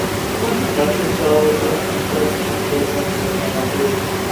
Yoshlik chog’i-behisob. Keksayganda-sanoqli.